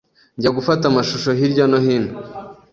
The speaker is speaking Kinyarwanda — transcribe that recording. Njya gufata amashusho hirya no hino.